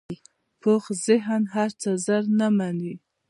پوخ ذهن هر څه ژر نه منې